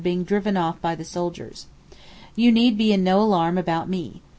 being driven off by the soldiers. You need be in no alarm about me.